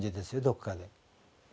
どっかで。